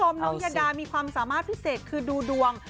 น้องยาดามีความสามารถพิเศษคือดูดวง